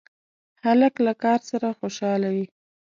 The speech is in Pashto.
هلک له کار سره خوشحاله وي.